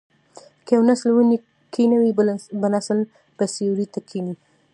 که یو نسل ونې کینوي بل نسل به یې سیوري ته کیني.